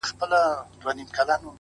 د گريوان ډورۍ ته دادی ځان ورسپاري؛